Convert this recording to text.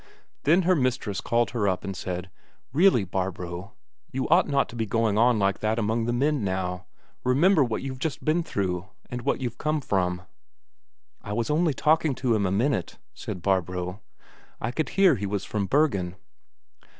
Then her mistress called her up and said: "Really, Barbro, you ought not to be going on like that among the men now. Remember what you've just been through, and what you've come from." "I was only talking to him a minute," said Barbro. "I could hear he was from Bergen."